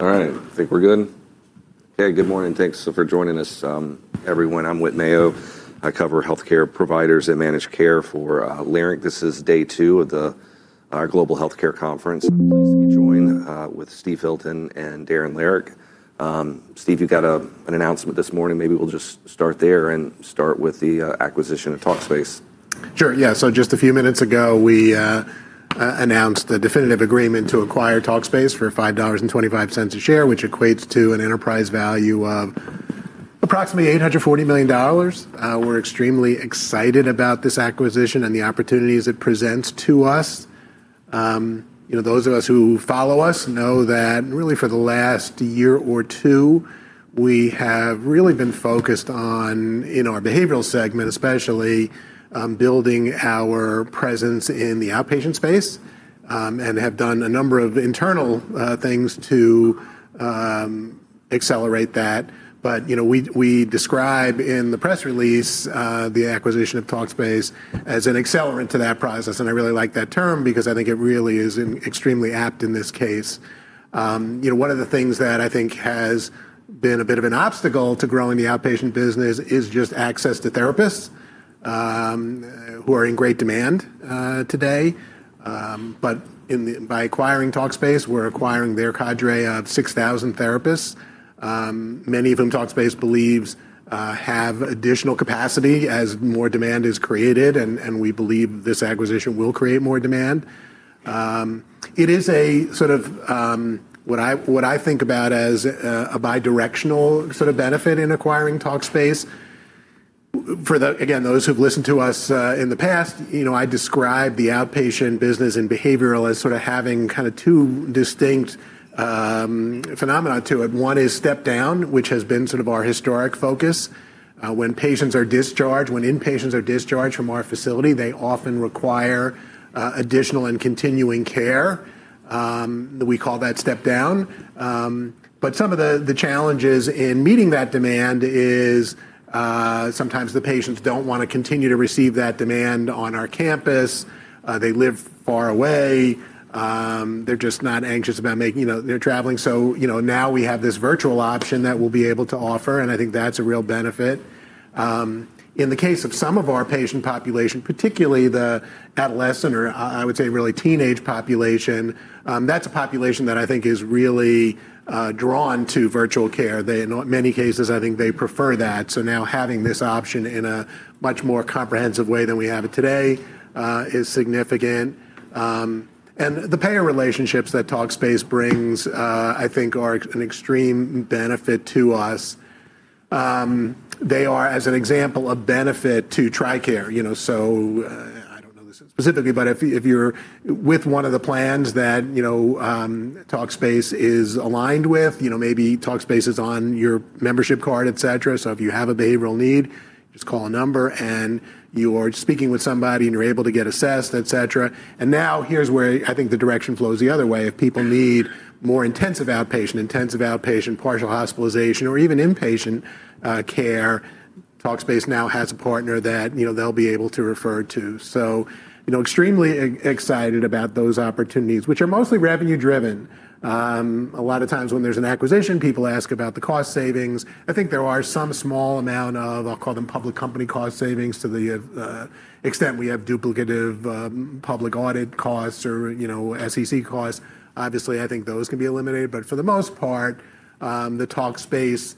All right, I think we're good. Okay, good morning. Thanks for joining us, everyone. I'm Whit Mayo. I cover healthcare providers and managed care for Leerink. This is day two of the Global Healthcare Conference. I'm pleased to be joined with Steve Filton and Darren Lehrich. Steve, you've got an announcement this morning. Maybe we'll just start there and start with the acquisition of Talkspace. Sure, yeah. Just a few minutes ago, we announced the definitive agreement to acquire Talkspace for $5.25 a share, which equates to an enterprise value of approximately $840 million. We're extremely excited about this acquisition and the opportunities it presents to us. You know, those of us who follow us know that really for the last year or two, we have really been focused on, in our behavioral segment especially, building our presence in the outpatient space, and have done a number of internal things to accelerate that. You know, we describe in the press release the acquisition of Talkspace as an accelerant to that process, and I really like that term because I think it really is extremely apt in this case. You know, one of the things that I think has been a bit of an obstacle to growing the outpatient business is just access to therapists, who are in great demand today. By acquiring Talkspace, we're acquiring their cadre of 6,000 therapists, many of them Talkspace believes, have additional capacity as more demand is created, and we believe this acquisition will create more demand. It is a sort of, what I think about as a bi-directional sort of benefit in acquiring Talkspace. Again, those who've listened to us in the past, you know I describe the outpatient business and behavioral as sort of having kinda two distinct phenomena to it. One is step-down, which has been sort of our historic focus. When patients are discharged, when inpatients are discharged from our facility, they often require additional and continuing care. We call that step-down. Some of the challenges in meeting that demand is sometimes the patients don't wanna continue to receive that demand on our campus. They live far away. They're just not anxious about making... You know, they're traveling. You know, now we have this virtual option that we'll be able to offer, and I think that's a real benefit. In the case of some of our patient population, particularly the adolescent or I would say really teenage population, that's a population that I think is really drawn to virtual care. In many cases, I think they prefer that. Now having this option in a much more comprehensive way than we have it today is significant. The payer relationships that Talkspace brings, I think are an extreme benefit to us. They are, as an example, a benefit to TRICARE. You know, I don't know this specifically, but if you're with one of the plans that, you know, Talkspace is aligned with, you know, maybe Talkspace is on your membership card, et cetera. If you have a behavioral need, just call a number, and you are speaking with somebody, and you're able to get assessed, et cetera. Now here's where I think the direction flows the other way. If people need more intensive outpatient, partial hospitalization, or even inpatient care, Talkspace now has a partner that, you know, they'll be able to refer to. You know, extremely excited about those opportunities, which are mostly revenue-driven. A lot of times when there's an acquisition, people ask about the cost savings. I think there are some small amount of, I'll call them public company cost savings to the extent we have duplicative public audit costs or, you know, SEC costs. Obviously, I think those can be eliminated. For the most part, the Talkspace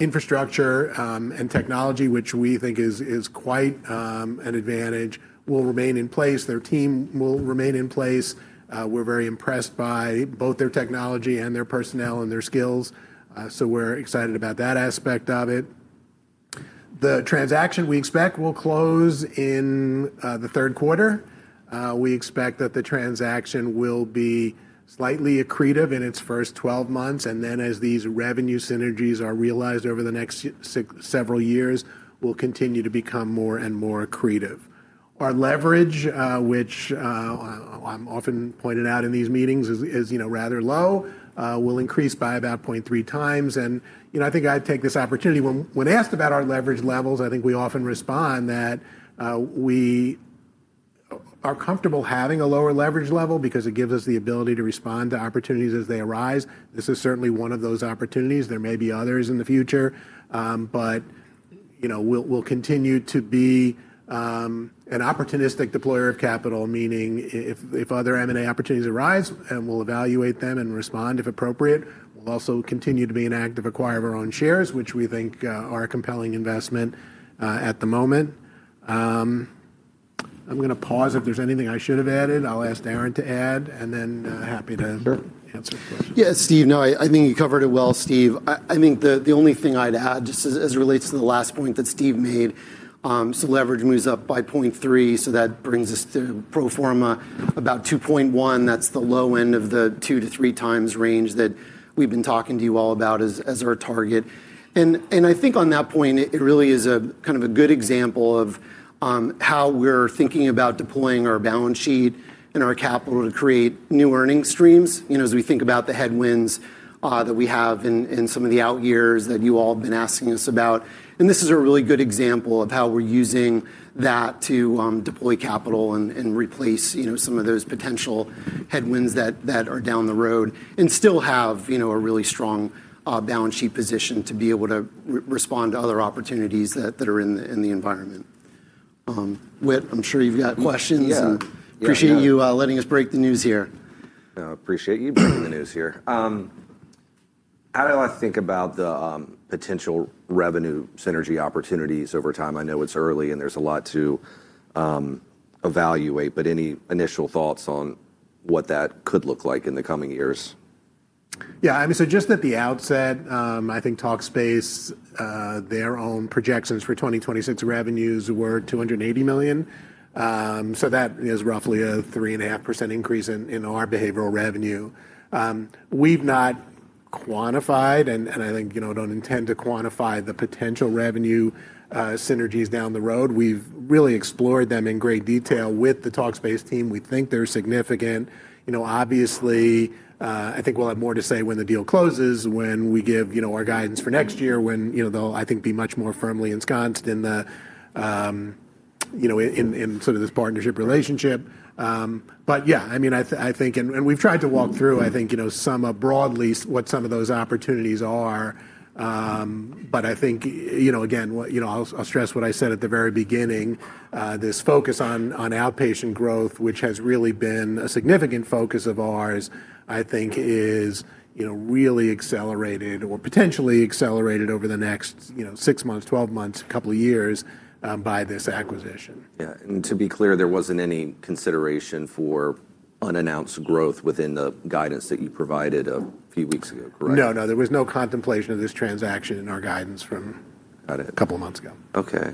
infrastructure and technology, which we think is quite an advantage, will remain in place. Their team will remain in place. We're very impressed by both their technology and their personnel and their skills, so we're excited about that aspect of it. The transaction we expect will close in the third quarter. We expect that the transaction will be slightly accretive in its first 12 months, and then as these revenue synergies are realized over the next several years, will continue to become more and more accretive. Our leverage, which I often pointed out in these meetings is, you know, rather low, will increase by about 0.3x. You know, I think I'd take this opportunity. When, when asked about our leverage levels, I think we often respond that we are comfortable having a lower leverage level because it gives us the ability to respond to opportunities as they arise. This is certainly one of those opportunities. There may be others in the future. You know, we'll continue to be an opportunistic deployer of capital, meaning if other M&A opportunities arise, we'll evaluate them and respond if appropriate. We'll also continue to be an active acquirer of our own shares, which we think are a compelling investment at the moment. I'm gonna pause if there's anything I should have added. I'll ask Darren to add, and then happy to- Sure... answer questions. Yeah, Steve, no, I think you covered it well, Steve. I think the only thing I'd add just as it relates to the last point that Steve made. Leverage moves up by 0.3, so that brings us to pro forma about 2.1. That's the low end of the 2x-3x range that we've been talking to you all about as our target. I think on that point, it really is a, kind of a good example of how we're thinking about deploying our balance sheet and our capital to create new earning streams, you know, as we think about the headwinds that we have in some of the out years that you all have been asking us about. This is a really good example of how we're using that to deploy capital and replace, you know, some of those potential headwinds that are down the road and still have, you know, a really strong balance sheet position to be able to re-respond to other opportunities that are in the environment. Whit, I'm sure you've got questions. Yeah. Yeah, yeah Appreciate you letting us break the news here. No, appreciate you breaking the news here. How do I think about the potential revenue synergy opportunities over time? I know it's early and there's a lot to evaluate, but any initial thoughts on what that could look like in the coming years? Just at the outset, I think Talkspace, their own projections for 2026 revenues were $280 million. That is roughly a 3.5% increase in our behavioral revenue. We've not quantified, and I think, you know, don't intend to quantify the potential revenue synergies down the road. We've really explored them in great detail with the Talkspace team. We think they're significant. You know, obviously, I think we'll have more to say when the deal closes, when we give, you know, our guidance for next year, when, you know, they'll, I think, be much more firmly ensconced in the, you know, in sort of this partnership relationship. I think... We've tried to walk through, I think, you know, some of broadly what some of those opportunities are. But I think, you know, again, what, you know, I'll stress what I said at the very beginning, this focus on outpatient growth, which has really been a significant focus of ours, I think is, you know, really accelerated or potentially accelerated over the next, you know, six months, 12 months, couple years, by this acquisition. Yeah. To be clear, there wasn't any consideration for unannounced growth within the guidance that you provided a few weeks ago, correct? No, no, there was no contemplation of this transaction in our guidance from- Got it. a couple months ago. Okay.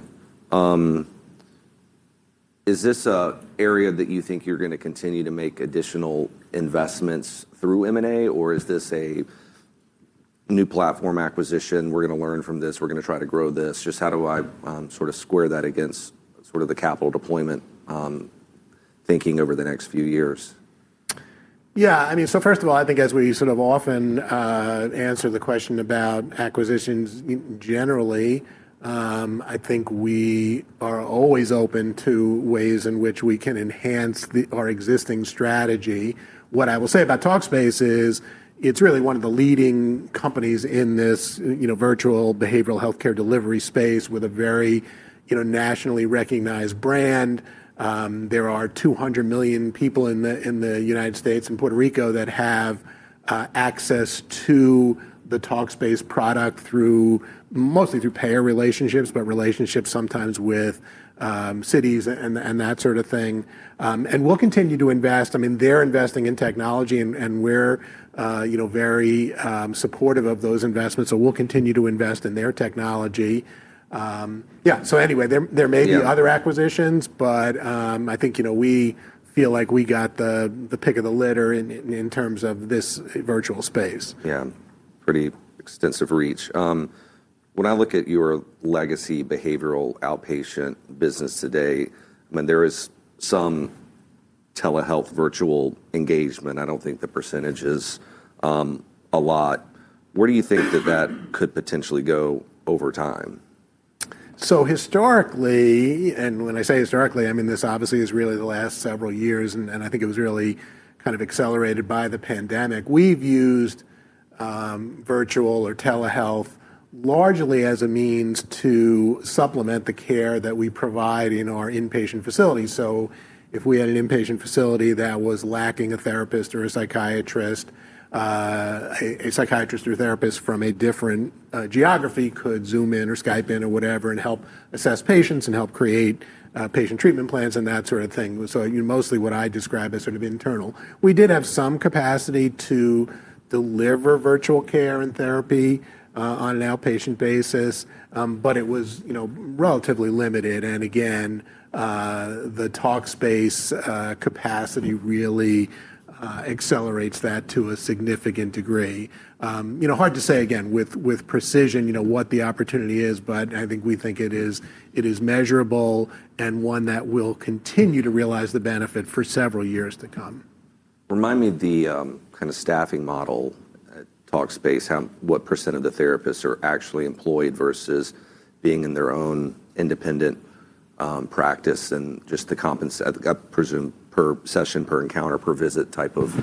Is this a area that you think you're gonna continue to make additional investments through M&A, or is this a new platform acquisition, we're gonna learn from this, we're gonna try to grow this? Just how do I sort of square that against sort of the capital deployment, thinking over the next few years? Yeah, I mean, first of all, I think as we sort of often answer the question about acquisitions generally, I mean, I think we are always open to ways in which we can enhance our existing strategy. What I will say about Talkspace is, it's really one of the leading companies in this, you know, virtual behavioral healthcare delivery space with a very, you know, nationally recognized brand. There are 200 million people in the U.S. and Puerto Rico that have access to the Talkspace product through, mostly through payer relationships, but relationships sometimes with cities and that sort of thing. We'll continue to invest. I mean, they're investing in technology and we're, you know, very supportive of those investments, we'll continue to invest in their technology. Yeah, so anyway, there may be. Yeah... other acquisitions, but, I think, you know, we feel like we got the pick of the litter in terms of this virtual space. Yeah. Pretty extensive reach. When I look at your legacy behavioral outpatient business today, when there is some telehealth virtual engagement, I don't think the percentage is a lot, where do you think that could potentially go over time? Historically, and when I say historically, I mean this obviously is really the last several years and I think it was really kind of accelerated by the pandemic, we've used virtual or telehealth largely as a means to supplement the care that we provide in our inpatient facility. If we had an inpatient facility that was lacking a therapist or a psychiatrist, a psychiatrist or a therapist from a different geography could Zoom in or Skype in or whatever and help assess patients and help create patient treatment plans and that sort of thing. You know, mostly what I describe as sort of internal. We did have some capacity to deliver virtual care and therapy on an outpatient basis, but it was, you know, relatively limited. Again, the Talkspace capacity really accelerates that to a significant degree. You know, hard to say, again, with precision, you know, what the opportunity is, but I think we think it is measurable and one that will continue to realize the benefit for several years to come. Remind me of the, kind of staffing model at Talkspace, how, what % of the therapists are actually employed versus being in their own independent, practice and just I presume per session, per encounter, per visit type of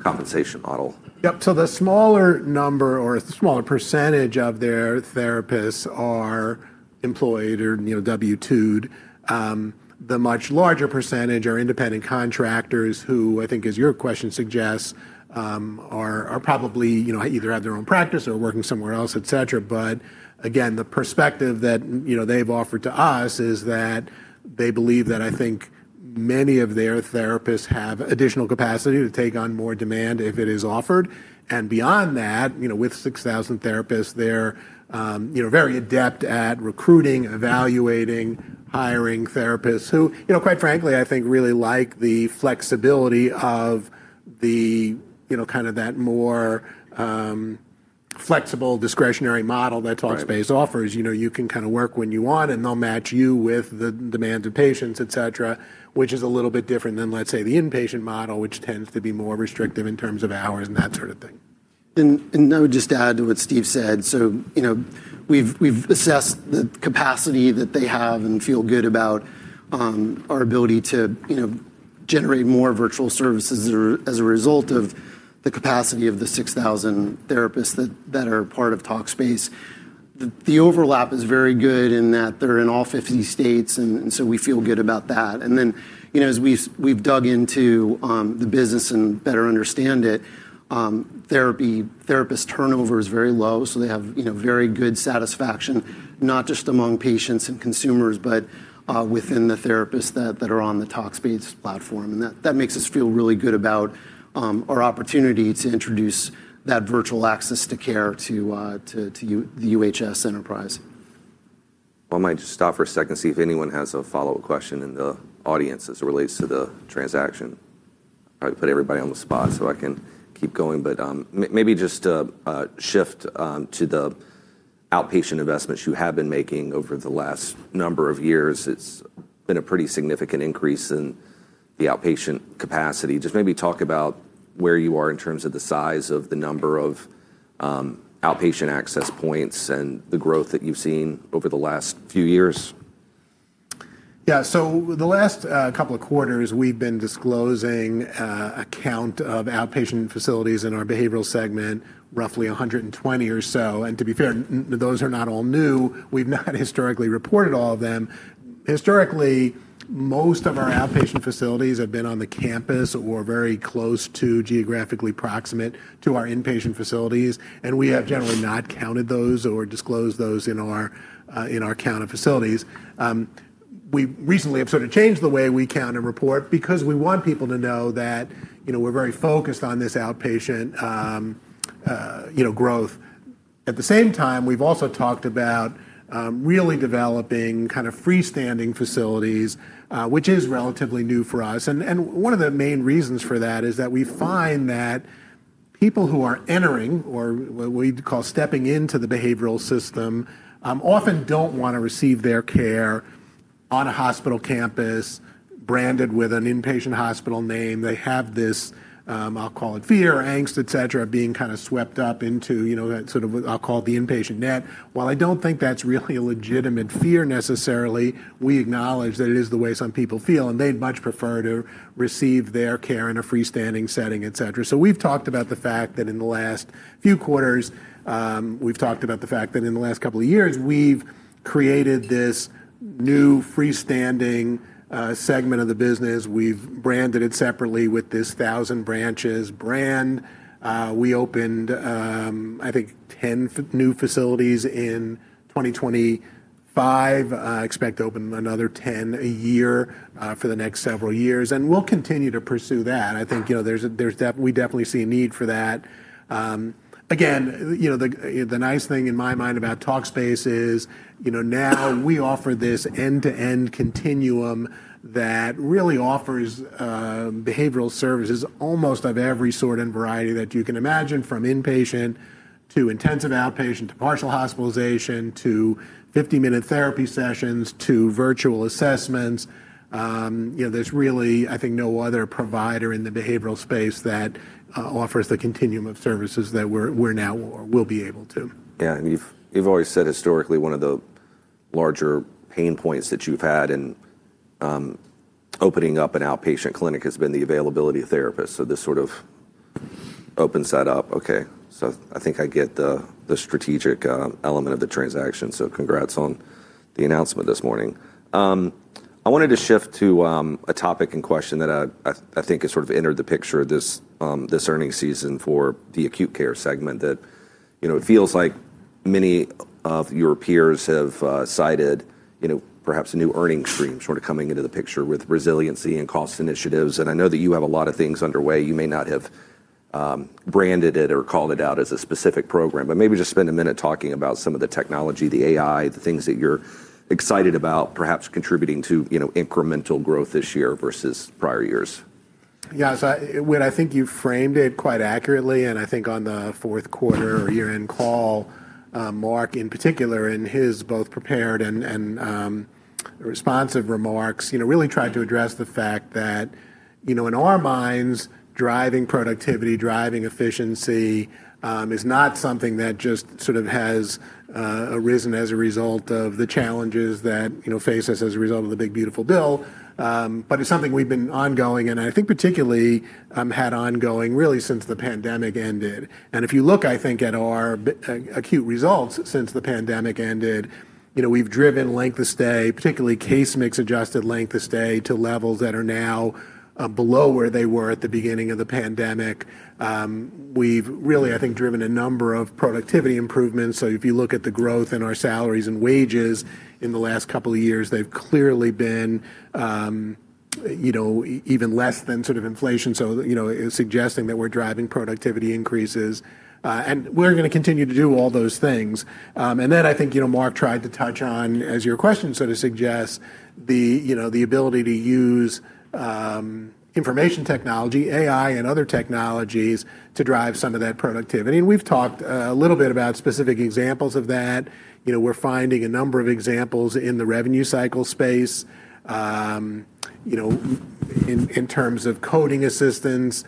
compensation model? Yep. The smaller number or a smaller percentage of their therapists are employed or, you know, W-2'd. The much larger percentage are independent contractors who, I think as your question suggests, are probably, you know, either have their own practice or working somewhere else, et cetera. Again, the perspective that, you know, they've offered to us is that they believe that, I think, many of their therapists have additional capacity to take on more demand if it is offered. Beyond that, you know, with 6,000 therapists, they're, you know, very adept at recruiting, evaluating, hiring therapists who, you know, quite frankly, I think really like the flexibility of the, you know, kind of that more, flexible discretionary model that Talkspace offers. Right. You know, you can kind of work when you want and they'll match you with the demands of patients, et cetera, which is a little bit different than, let's say, the inpatient model, which tends to be more restrictive in terms of hours and that sort of thing. I would just add to what Steve said, you know, we've assessed the capacity that they have and feel good about our ability to, you know. Generate more virtual services as a result of the capacity of the 6,000 therapists that are part of Talkspace. The overlap is very good in that they're in all 50 states, and so we feel good about that. Then, you know, as we've dug into the business and better understand it, therapist turnover is very low, so they have, you know, very good satisfaction, not just among patients and consumers, but within the therapists that are on the Talkspace platform. That makes us feel really good about our opportunity to introduce that virtual access to care to the UHS enterprise. I might just stop for a second to see if anyone has a follow-up question in the audience as it relates to the transaction. Probably put everybody on the spot, so I can keep going. Maybe just shift to the outpatient investments you have been making over the last number of years. It's been a pretty significant increase in the outpatient capacity. Just maybe talk about where you are in terms of the size of the number of outpatient access points and the growth that you've seen over the last few years. The last couple of quarters, we've been disclosing a count of outpatient facilities in our behavioral segment, roughly 120 or so. To be fair, those are not all new. We've not historically reported all of them. Historically, most of our outpatient facilities have been on the campus or very close to geographically proximate to our inpatient facilities, and we have generally not counted those or disclosed those in our count of facilities. We recently have sort of changed the way we count and report because we want people to know that, you know, we're very focused on this outpatient, you know, growth. At the same time, we've also talked about really developing kind of freestanding facilities, which is relatively new for us. One of the main reasons for that is that we find that people who are entering, or what we'd call stepping into the behavioral system, often don't wanna receive their care on a hospital campus branded with an inpatient hospital name. They have this, I'll call it fear, angst, et cetera, being kind of swept up into, you know, that sort of what I'll call the inpatient net. While I don't think that's really a legitimate fear necessarily, we acknowledge that it is the way some people feel, and they'd much prefer to receive their care in a freestanding setting, et cetera. We've talked about the fact that in the last couple of years, we've created this new freestanding segment of the business. We've branded it separately with this Thousand Branches brand. We opened, I think 10 new facilities in 2025. Expect to open another 10 a year for the next several years, and we'll continue to pursue that. I think, you know, we definitely see a need for that. Again, you know, the nice thing in my mind about Talkspace is, you know, now we offer this end-to-end continuum that really offers behavioral services almost of every sort and variety that you can imagine, from inpatient to intensive outpatient, to partial hospitalization, to 50-minute therapy sessions, to virtual assessments. You know, there's really, I think, no other provider in the behavioral space that offers the continuum of services that we're now or will be able to. You've always said historically one of the larger pain points that you've had in opening up an outpatient clinic has been the availability of therapists. This sort of opens that up. I think I get the strategic element of the transaction. Congrats on the announcement this morning. I wanted to shift to a topic and question that I think has sort of entered the picture this earnings season for the acute care segment that, you know, it feels like many of your peers have cited, you know, perhaps a new earnings stream sort of coming into the picture with resiliency and cost initiatives, and I know that you have a lot of things underway. You may not have, branded it or called it out as a specific program, but maybe just spend a minute talking about some of the technology, the AI, the things that you're excited about, perhaps contributing to, you know, incremental growth this year versus prior years. Yes. Well, I think you framed it quite accurately. I think on the fourth quarter or year-end call, Marc, in particular in his both prepared and responsive remarks, you know, really tried to address the fact that, you know, in our minds, driving productivity, driving efficiency, is not something that just sort of has arisen as a result of the challenges that, you know, face us as a result of the Big Beautiful Bill. It's something we've been ongoing, and I think particularly, had ongoing really since the pandemic ended. If you look, I think, at our acute results since the pandemic ended, you know, we've driven length of stay, particularly case mix adjusted length of stay, to levels that are now below where they were at the beginning of the pandemic. We've really, I think, driven a number of productivity improvements. If you look at the growth in our salaries and wages in the last couple of years, they've clearly been, you know, even less than sort of inflation. You know, suggesting that we're driving productivity increases, and we're gonna continue to do all those things. I think, you know, Marc tried to touch on, as your question sort of suggests, the, you know, the ability to use information technology, AI, and other technologies to drive some of that productivity. We've talked a little bit about specific examples of that. You know, we're finding a number of examples in the revenue cycle space, you know, in terms of coding assistance,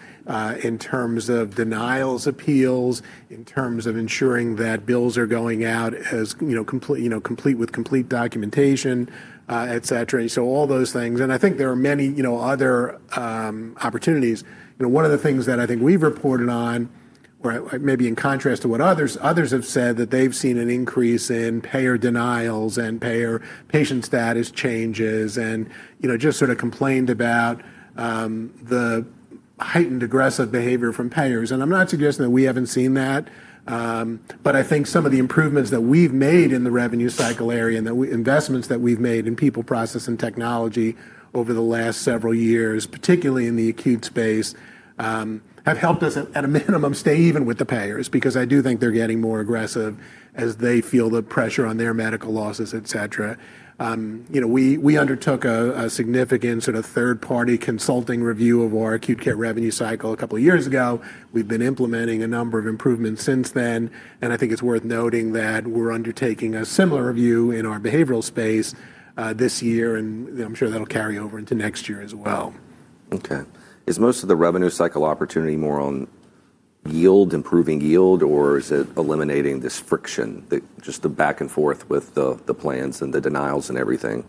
in terms of denials appeals, in terms of ensuring that bills are going out as, you know, complete, you know, complete with complete documentation, et cetera. All those things. I think there are many, you know, other opportunities. You know, one of the things that I think we've reported on, or maybe in contrast to what others have said that they've seen an increase in payer denials and payer patient status changes, and, you know, just sort of complained about the heightened aggressive behavior from payers. I'm not suggesting that we haven't seen that, but I think some of the improvements that we've made in the revenue cycle area and the investments that we've made in people, process, and technology over the last several years, particularly in the acute space, have helped us at a minimum, stay even with the payers, because I do think they're getting more aggressive as they feel the pressure on their medical losses, et cetera. You know, we undertook a significant sort of third-party consulting review of our acute care revenue cycle a couple of years ago. We've been implementing a number of improvements since then, and I think it's worth noting that we're undertaking a similar review in our behavioral space this year, and I'm sure that'll carry over into next year as well. Okay. Is most of the revenue cycle opportunity more on yield, improving yield, or is it eliminating this friction, the just the back and forth with the plans and the denials and everything?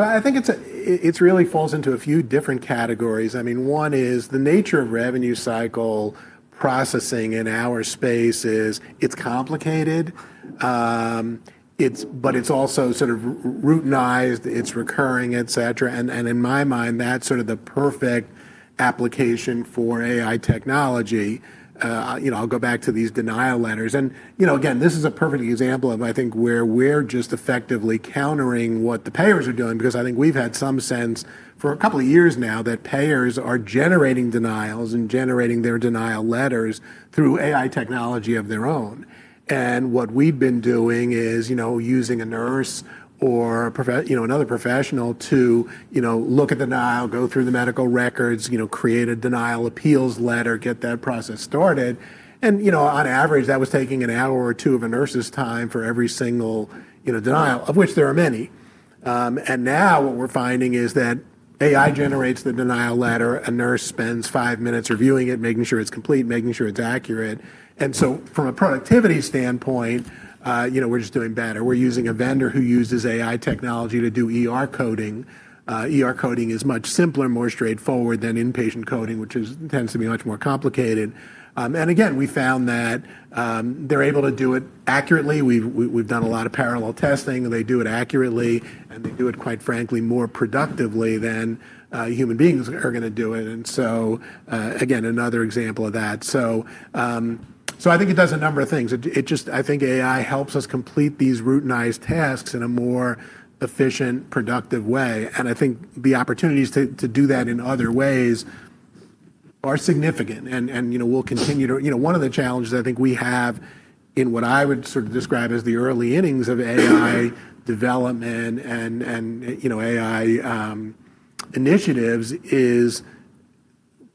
I think it's really falls into a few different categories. I mean, one is the nature of revenue cycle processing in our space is it's complicated, but it's also sort of routinized, it's recurring, et cetera. In my mind, that's sort of the perfect application for AI technology. You know, I'll go back to these denial letters. You know, again, this is a perfect example of, I think, where we're just effectively countering what the payers are doing, because I think we've had some sense for a couple of years now that payers are generating denials and generating their denial letters through AI technology of their own. What we've been doing is, you know, using a nurse or another professional to, you know, look at denial, go through the medical records, you know, create a denial appeals letter, get that process started. You know, on average, that was taking an hour or two of a nurse's time for every single, you know, denial, of which there are many. Now what we're finding is that AI generates the denial letter. A nurse spends five minutes reviewing it, making sure it's complete, making sure it's accurate. From a productivity standpoint, you know, we're just doing better. We're using a vendor who uses AI technology to do ER coding. ER coding is much simpler and more straightforward than inpatient coding, which is tends to be much more complicated. Again, we found that, they're able to do it accurately. We've done a lot of parallel testing, and they do it accurately, and they do it, quite frankly, more productively than, human beings are gonna do it. Again, another example of that. So, so I think it does a number of things. It just, I think AI helps us complete these routinized tasks in a more efficient, productive way. I think the opportunities to do that in other ways are significant and, you know, we'll continue to... You know, one of the challenges I think we have in what I would sort of describe as the early innings of AI development and, you know, AI, initiatives is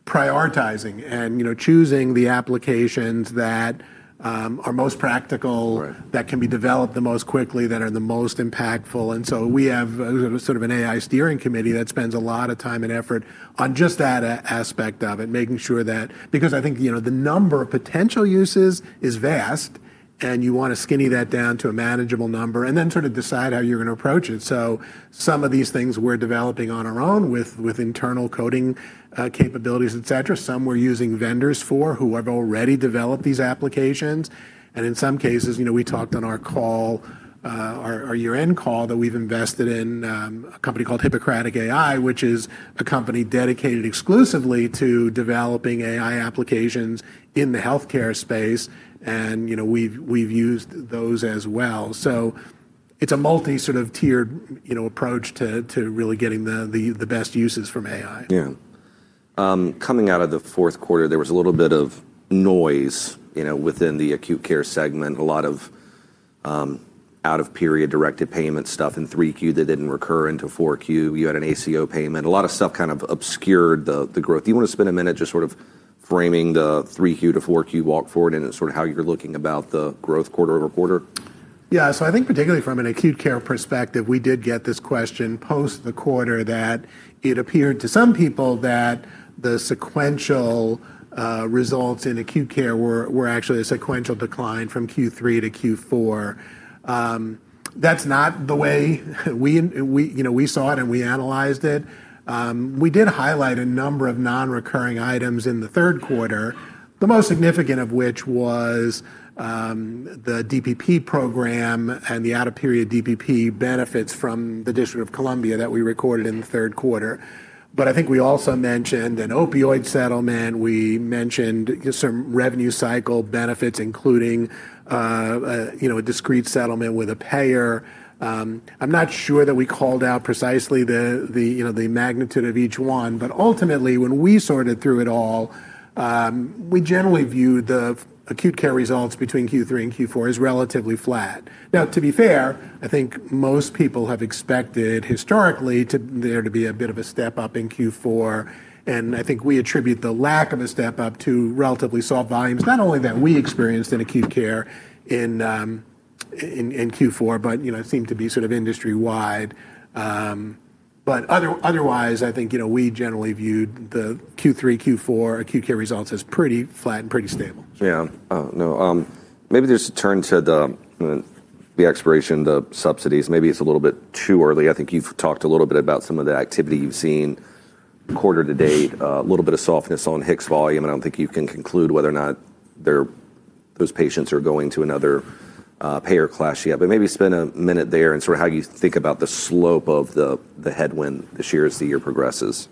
prioritizing and, you know, choosing the applications that, are most practical. Right... that can be developed the most quickly, that are the most impactful. We have sort of an AI steering committee that spends a lot of time and effort on just that aspect of it, making sure that. I think, you know, the number of potential uses is vast, and you wanna skinny that down to a manageable number and then sort of decide how you're gonna approach it. Some of these things we're developing on our own with internal coding capabilities, et cetera. Some we're using vendors for who have already developed these applications. In some cases, you know, we talked on our call, our year-end call that we've invested in a company called Hippocratic AI, which is a company dedicated exclusively to developing AI applications in the healthcare space. You know, we've used those as well. It's a multi sort of tiered, you know, approach to really getting the best uses from AI. Coming out of the fourth quarter, there was a little bit of noise, you know, within the acute care segment, a lot of out of period directed payment stuff in 3Q that didn't recur into 4Q. You had an ACO payment. A lot of stuff kind of obscured the growth. Do you wanna spend a minute just sort of framing the 3Q-4Q walk forward and then sort of how you're looking about the growth quarter-over-quarter? I think particularly from an acute care perspective, we did get this question post the quarter that it appeared to some people that the sequential results in acute care were actually a sequential decline from Q3-Q4. That's not the way we, you know, we saw it and we analyzed it. We did highlight a number of non-recurring items in the third quarter, the most significant of which was the DPP program and the out of period DPP benefits from the District of Columbia that we recorded in the third quarter. I think we also mentioned an opioid settlement. We mentioned some revenue cycle benefits, including, you know, a discrete settlement with a payer. I'm not sure that we called out precisely the, you know, the magnitude of each one. Ultimately, when we sorted through it all, we generally viewed the acute care results between Q3 and Q4 as relatively flat. To be fair, I think most people have expected historically there to be a bit of a step-up in Q4, and I think we attribute the lack of a step-up to relatively soft volumes, not only that we experienced in acute care in Q4, but, you know, seemed to be sort of industry wide. Otherwise, I think, you know, we generally viewed the Q3, Q4 acute care results as pretty flat and pretty stable. Yeah. No, maybe just turn to the expiration, the subsidies. Maybe it's a little bit too early. I think you've talked a little bit about some of the activity you've seen. Quarter-to-date, a little bit of softness on HIX volume, and I don't think you can conclude whether or not those patients are going to another payer class yet. Maybe spend a minute there and sort of how you think about the slope of the headwind this year as the year progresses.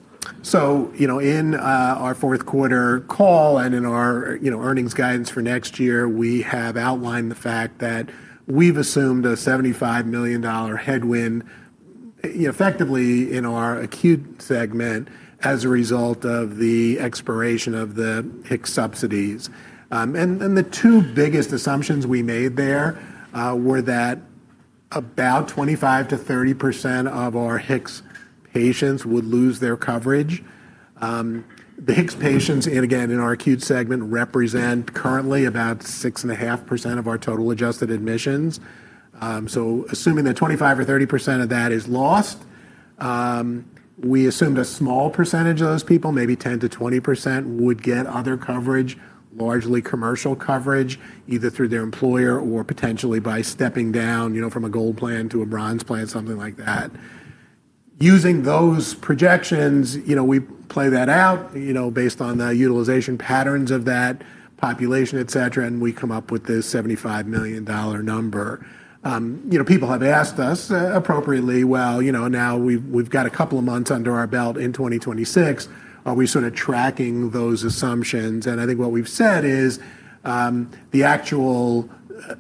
you know, in our fourth quarter call and in our, you know, earnings guidance for next year, we have outlined the fact that we've assumed a $75 million headwind, effectively, you know, in our acute segment as a result of the expiration of the ACA subsidies. The two biggest assumptions we made there were that about 25%-30% of our HIX patients would lose their coverage. The HIX patients and again, in our acute segment, represent currently about 6.5% of our total adjusted admissions. So assuming that 25% or 30% of that is lost, we assumed a small percentage of those people, maybe 10%-20%, would get other coverage, largely commercial coverage, either through their employer or potentially by stepping down, you know, from a Gold plan to a Bronze plan, something like that. Using those projections, you know, we play that out, you know, based on the utilization patterns of that population, et cetera, and we come up with this $75 million number. You know, people have asked us appropriately, well, you know, now we've got a couple of months under our belt in 2026, are we sort of tracking those assumptions? I think what we've said is, the actual,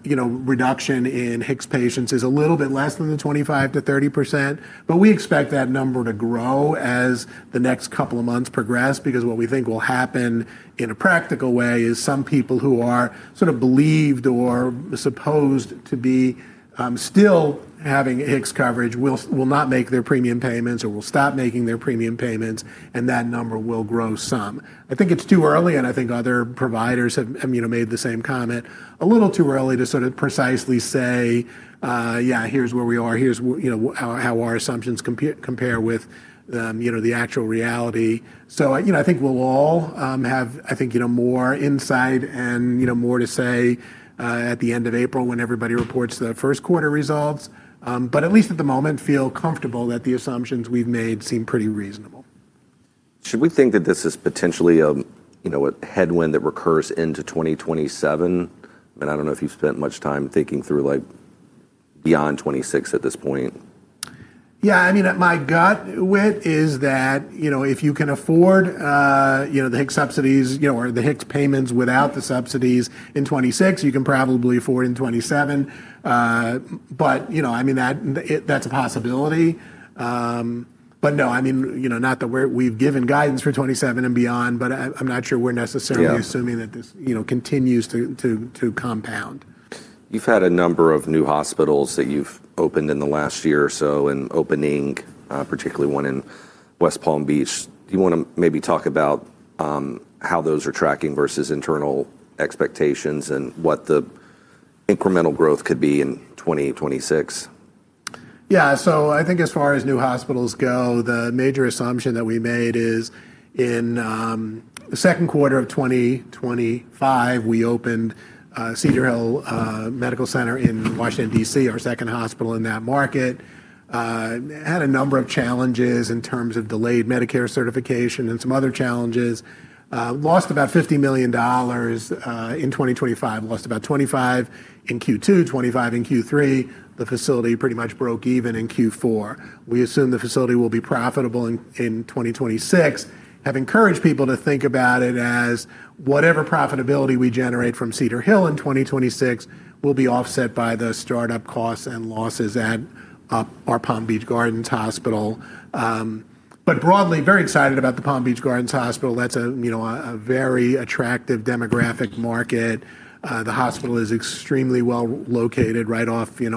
you know, reduction in HIX patients is a little bit less than the 25%-30%. We expect that number to grow as the next couple of months progress, because what we think will happen in a practical way is some people who are sort of believed or supposed to be, still having HIX coverage will not make their premium payments or will stop making their premium payments, and that number will grow some. I think it's too early, and I think other providers have, you know, made the same comment. A little too early to sort of precisely say, "Yeah, here's where we are, here's you know, how our assumptions compare with, you know, the actual reality." You know, I think we'll all, have, I think, you know, more insight and, you know, more to say, at the end of April when everybody reports the first quarter results. At least at the moment, feel comfortable that the assumptions we've made seem pretty reasonable. Should we think that this is potentially, you know, a headwind that recurs into 2027? I don't know if you've spent much time thinking through, like, beyond 2026 at this point. Yeah, I mean, my gut wit is that, you know, if you can afford, you know, the HIX subsidies, you know, or the HIX payments without the subsidies in 2026, you can probably afford in 2027. You know, I mean, that's a possibility. No, I mean, you know, not that we've given guidance for 2027 and beyond, but I'm not sure we're necessarily- Yeah... assuming that this, you know, continues to compound. You've had a number of new hospitals that you've opened in the last year or so, and opening, particularly one in West Palm Beach. Do you wanna maybe talk about how those are tracking versus internal expectations and what the incremental growth could be in 2026? Yeah. I think as far as new hospitals go, the major assumption that we made is in the second quarter of 2025, we opened Cedar Hill Medical Center in Washington, D.C., our second hospital in that market. Had a number of challenges in terms of delayed Medicare certification and some other challenges. Lost about $50 million in 2025. Lost about $25 in Q2, $25 in Q3. The facility pretty much broke even in Q4. We assume the facility will be profitable in 2026. Have encouraged people to think about it as whatever profitability we generate from Cedar Hill in 2026 will be offset by the start-up costs and losses at our Palm Beach Gardens Hospital. Broadly, very excited about the Palm Beach Gardens Hospital. That's a, you know, a very attractive demographic market. The hospital is extremely well located right off, you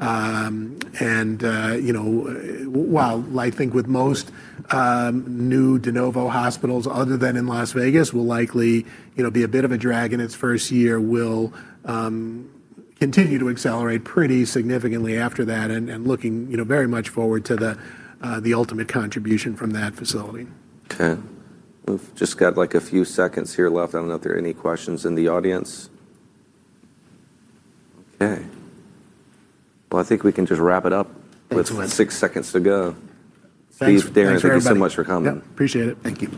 know, I-95. You know, while I think with most new de novo hospitals other than in Las Vegas will likely, you know, be a bit of a drag in its first year, will continue to accelerate pretty significantly after that. Looking, you know, very much forward to the ultimate contribution from that facility. Okay. We've just got, like, a few seconds here left. I don't know if there are any questions in the audience. Okay. Well, I think we can just wrap it up with six seconds to go. Thanks. Darren, thank you so much for coming. Yep. Appreciate it. Thank you.